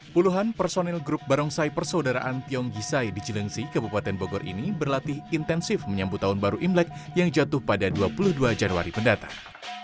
puluhan personil grup barongsai persaudaraan tiong gisai di cilengsi kabupaten bogor ini berlatih intensif menyambut tahun baru imlek yang jatuh pada dua puluh dua januari pendatang